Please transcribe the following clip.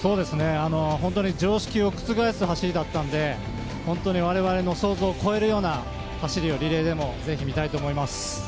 常識を覆す走りだったので本当に我々の想像を超えるような走りをリレーでもぜひ見たいと思います。